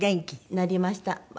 なりました。